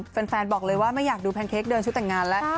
แฟนบอกเลยว่าไม่อยากดูแพนเค้กเดินชุดแต่งงานแล้ว